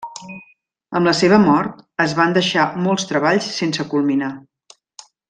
Amb la seva mort, es van deixar molts treballs sense culminar.